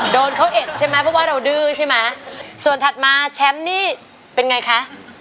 โดนเขาเอ็ดใช่ไหมเพราะว่าเราดื้อใช่ไหมส่วนถัดมาแชมป์นี่เป็นไงคะ